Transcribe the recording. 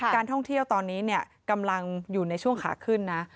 การท่องเที่ยวตอนนี้กำลังอยู่ในช่วงขาขึ้นนะ